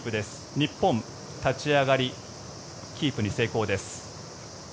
日本、立ち上がりキープに成功です。